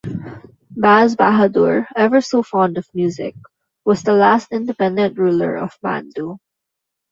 Baz Bahadur, ever so fond of music, was the last independent ruler of Mandu.